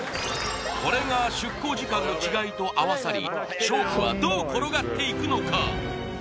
これが出航時間の違いと合わさり勝負はどう転がっていくのか？